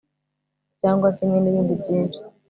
cyangwa kimwe n'ibindi byinshi